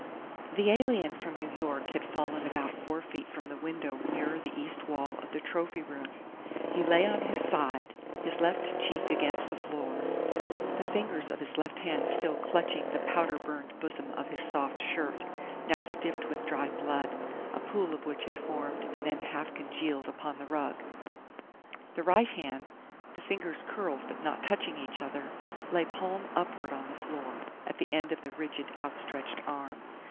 The alien from New York had fallen about four feet from the window nearer the east wall of the trophy room. He lay on his side, his left cheek against the floor, the fingers of his left hand still clutching the powder burned bosom of his soft shirt, now stiff with dried blood, a pool of which had formed and then half congealed upon the rug. The right hand, the fingers curled but not touching each other, lay palm upward on the floor at the end of the rigid, outstretched arm.